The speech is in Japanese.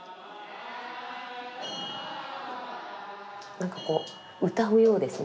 何かこう歌うようですね。